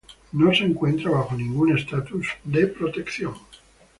No se encuentra bajo ningún estatus de protección.